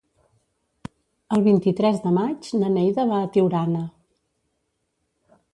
El vint-i-tres de maig na Neida va a Tiurana.